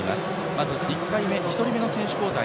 まず１回目、１人目の選手交代